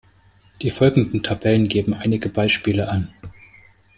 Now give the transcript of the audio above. Die folgenden Tabellen geben einige Beispiele an.